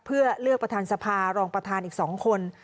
เพื่อเลือกประธานสภารองประธานอีก๒คน